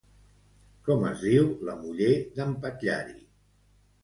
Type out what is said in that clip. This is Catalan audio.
Com es diu la muller d'en Patllari?